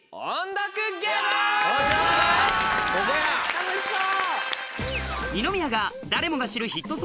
楽しそう。